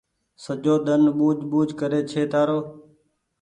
سجو ۮن ٻوجه ٻوجه ڪري ڇي تآرو